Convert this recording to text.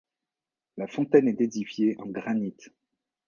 La fontaine est édifiée en granit.